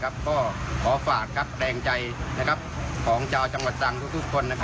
ก็ขอฝากแรงใจของชาวจังหวัดตรังทุกคน